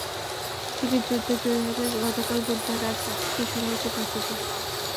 Ticket যুদ্ধে জয়ী হতে গতকাল বুধবার রাত থেকেই শুরু হয়েছে প্রস্তুতি।